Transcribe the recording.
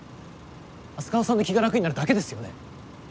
浅川さんの気が楽になるだけですよね。